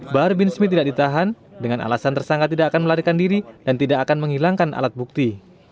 bahar bin smith tidak ditahan dengan alasan tersangka tidak akan melarikan diri dan tidak akan menghilangkan alat bukti